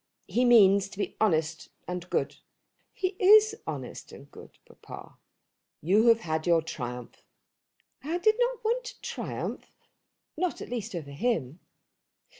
He means to be honest and good." "He is honest and good, papa." "You have had your triumph." "I did not want to triumph; not at least over him."